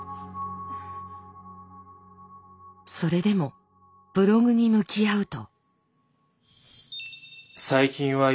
それでもブログに向き合うと。